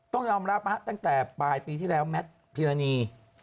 ต้องยอมรับตั้งแต่ปลายปีที่แล้วแมทพิรณี